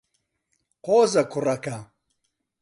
قۆزە کوڕەکە.